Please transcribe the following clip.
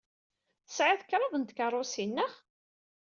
Tesɛiḍ kraḍt n tkeṛṛusin, naɣ?